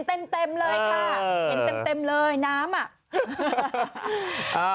เต็มเลยค่ะเห็นเต็มเลยน้ำอ่ะ